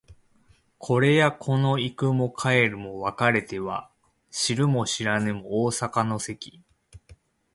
これやこの行くも帰るも別れては知るも知らぬも逢坂の関